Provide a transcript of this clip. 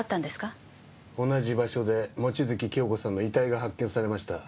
同じ場所で望月京子さんの遺体が発見されました。